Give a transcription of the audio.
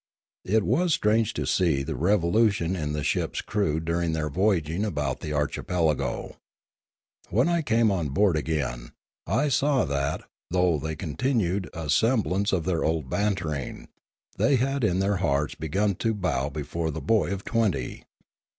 It was strange to see the revolution in the ship's crew during their voyaging about the archipelago. When I came on board again, I saw that, though they continued a semblance of their old bantering, they had in their hearts begun to bow before the boy of twenty.